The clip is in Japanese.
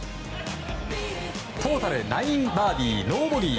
トータル９バーディーノーボギー。